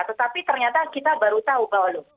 tetapi ternyata kita baru tahu bahwa